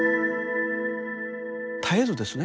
絶えずですね